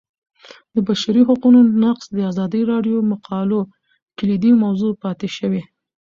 د بشري حقونو نقض د ازادي راډیو د مقالو کلیدي موضوع پاتې شوی.